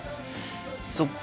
そっか